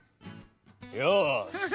・よし！